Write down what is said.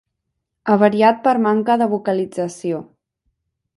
Avariat per manca de vocalització.